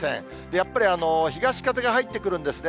やっぱり東風が入ってくるんですね。